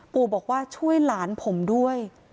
ปู่บอกว่าช่วยหลานผมด้วย